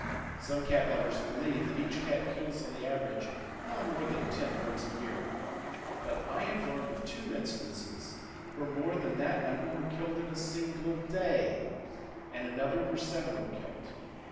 Some cat lovers believe that each cat kills on the average not more than ten birds a year; but I have learned of two instances where more than that number were killed in a single day, and another where seven were killed.